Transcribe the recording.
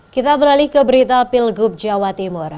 kita beralih ke berita pilgub jawa timur